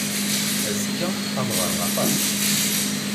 Azekka ad ɣreɣ aṭas.